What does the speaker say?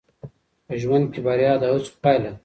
په ژوند کې بریا د هڅو پایله ده.